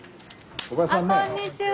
あこんにちは。